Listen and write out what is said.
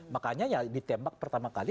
makanya ya ditembak pertama kali